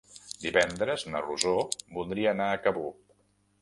Divendres na Rosó voldria anar a Cabó.